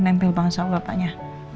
nempel banget sama bapaknya